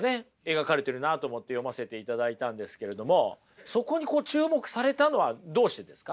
描かれてるなと思って読ませていただいたんですけれどもそこにこう注目されたのはどうしてですか？